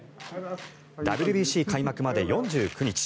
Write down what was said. ＷＢＣ開幕まで４９日。